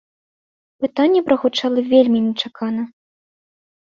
Пытанне прагучала вельмі нечакана.